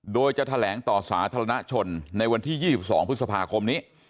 โดยจะแถลงต่อสาธารณชนในวันที่๒๒พฤษภาคมนี้